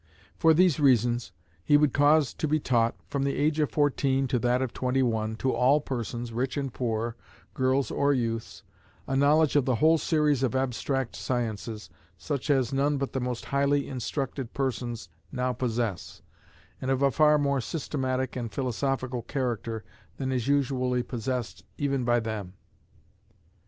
For these reasons, he would cause to be taught, from the age of fourteen to that of twenty one, to all persons, rich and poor, girls or youths, a knowledge of the whole series of abstract sciences, such as none but the most highly instructed persons now possess, and of a far more systematic and philosophical character than is usually possessed even by them.